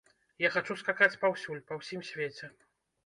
Я хачу скакаць паўсюль, па ўсім свеце.